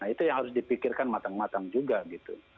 itu yang harus dipikirkan matang matang juga gitu